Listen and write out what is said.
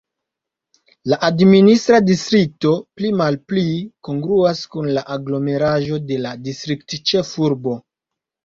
La administra distrikto pli-malpli kongruas kun la aglomeraĵo de la distriktĉefurbo.